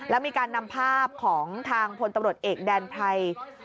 แล้วมีการนำภาพของทางพลตำรวจเอกแดนไพร